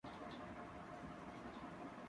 نہ کھڑے ہوجیے خُوبانِ دل آزار کے پاس